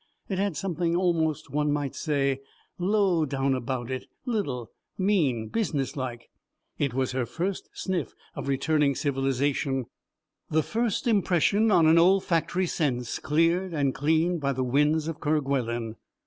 It had something, almost one might say, low down about it, little, mean, business like it was her first sniff of returning Civilization, the first impression on an olfactory sense cleared and cleaned by the winds of Kerguelen.